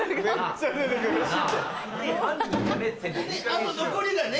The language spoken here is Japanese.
あと残りがね。